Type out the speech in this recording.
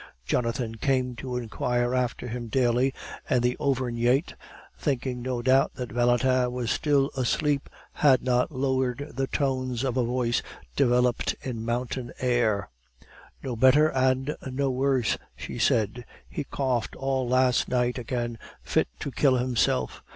Jonathan came to inquire after him daily, and the Auvergnate, thinking no doubt that Valentin was still asleep, had not lowered the tones of a voice developed in mountain air. "No better and no worse," she said. "He coughed all last night again fit to kill himself.